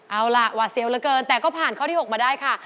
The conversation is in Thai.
เอาล่ะหวาดเสียวเหลือเกินแต่ก็ผ่านข้อที่๖มาได้ค่ะ